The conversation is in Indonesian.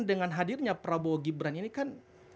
dengan hadirnya prabowo gibran ini kan